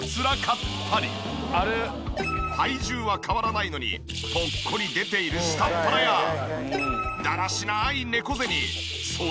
体重は変わらないのにぽっこり出ている下っ腹やだらしない。